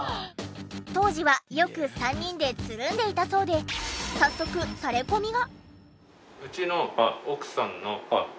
当時はよく３人でつるんでいたそうで早速タレコミが。